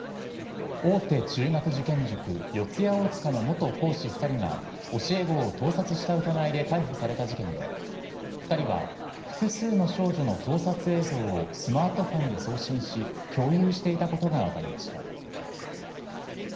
大手中学受験塾、四谷大塚の元講師２人が、教え子を盗撮した疑いで逮捕された事件で、２人は複数の少女の盗撮映像をスマートフォンで送信し、共有していたことが分かりました。